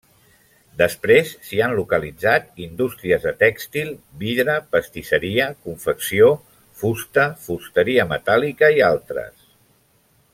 Després s'hi han localitzat indústries de tèxtil, vidre, pastisseria, confecció, fusta, fusteria metàl·lica i altres.